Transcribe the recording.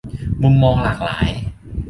'มุมมองหลากหลาย'